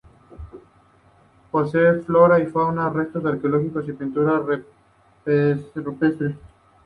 Posee flora y fauna, restos arqueológicos y pinturas rupestres.